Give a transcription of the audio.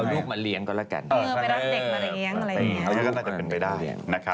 ไม่ให้ปั้นหน้า